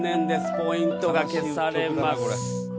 ポイントが消されます。